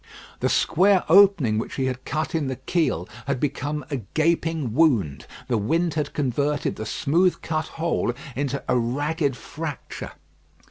The square opening which he had cut in the keel had become a gaping wound. The wind had converted the smooth cut hole into a ragged fracture.